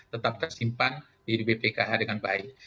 tetap tersimpan di bpkh dengan baik